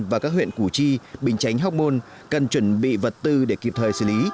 và các huyện củ chi bình chánh hóc môn cần chuẩn bị vật tư để kịp thời xử lý